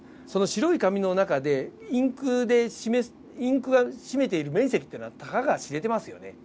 白い紙の中でインクが占めている面積っていうのはたかが知れてますよね。